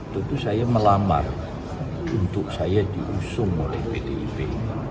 tentu saya melamar untuk saya diusung oleh pdip